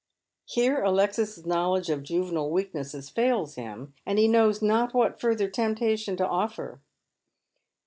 Here Alexis's knowledge of juvenile weaknesses fails him, and he knows not what further temptation to offer.